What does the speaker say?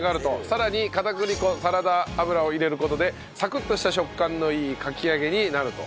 更に片栗粉サラダ油を入れる事でサクッとした食感のいいかき揚げになると。